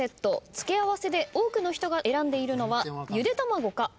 付け合わせで多くの人が選んでいるのは。